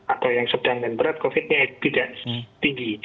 atau yang sedang dan berat covid nya tidak tinggi